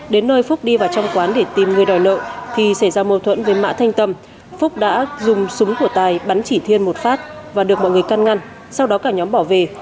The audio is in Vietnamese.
đến nơi phúc đi vào trong quán để tìm người đòi nợ thì xảy ra mâu thuẫn với mã thanh tâm phúc đã dùng súng của tài bắn chỉ thiên một phát và được mọi người căn ngăn sau đó cả nhóm bỏ về